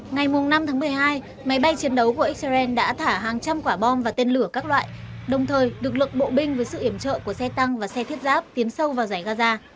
ngày năm tháng một mươi hai máy bay chiến đấu của israel đã thả hàng trăm quả bom và tên lửa các loại đồng thời được lực bộ binh với sự iểm trợ của xe tăng và xe thiết giáp tiến sâu vào giải gaza